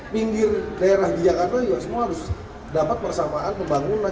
pinggir daerah di jakarta juga semua harus dapat persamaan pembangunan